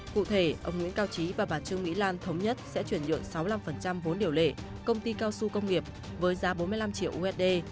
cụ thể ông nguyễn cao trí và bà trương mỹ lan thống nhất sẽ chuyển nhượng sáu mươi năm vốn điều lệ công ty cao su công nghiệp với giá bốn mươi năm triệu usd